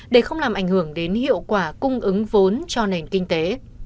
để không làm ảnh hưởng đến hiệu quả cung ứng vốn cho nền kinh tế